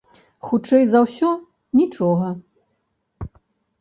Хутчэй за ўсё, нічога.